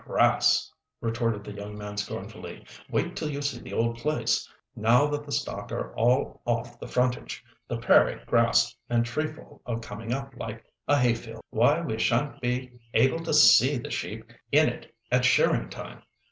"Grass!" retorted the young man scornfully. "Wait till you see the old place. Now that the stock are all off the frontage, the prairie grass and trefoil are coming up like a hayfield. Why, we sha'n't be able to see the sheep in it at shearing time.